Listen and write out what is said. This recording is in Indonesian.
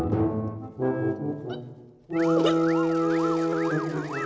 belum pernah aku ngeliat pup orang lain